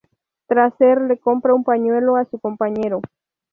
Tracer le compra un pañuelo a su compañero.